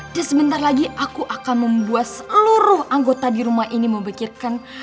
dan sebentar lagi aku akan membuat seluruh anggota di rumah ini memikirkan